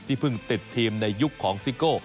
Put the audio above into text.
เพิ่งติดทีมในยุคของซิโก้